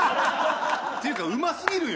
っていうかうますぎるよ